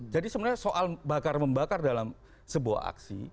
jadi sebenarnya soal bakar membakar dalam sebuah aksi